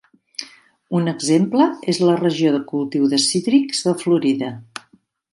Un exemple és la regió de cultiu de cítrics de Florida.